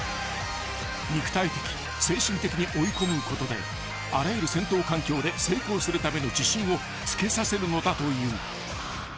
［肉体的精神的に追い込むことであらゆる戦闘環境で成功するための自信をつけさせるのだという］